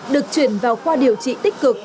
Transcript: được chuyển vào khoa điều trị tích cực